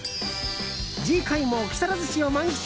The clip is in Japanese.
次回も木更津市を満喫。